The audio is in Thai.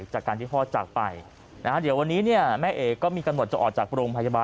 จากที่พ่อจักรไปกับตอนนี้แม่เอก็มีกำหนดจะออกจากโรงพยาบาล